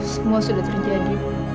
semua sudah terjadi